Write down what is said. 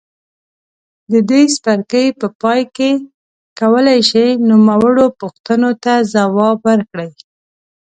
د دې څپرکي په پای کې کولای شئ نوموړو پوښتنو ته ځواب ورکړئ.